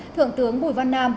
thượng tướng bùi văn nam